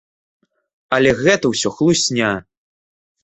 Але гэта ўсё хлусня!